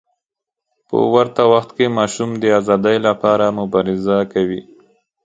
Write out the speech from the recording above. په ورته وخت کې ماشوم د ازادۍ لپاره مبارزه کوي.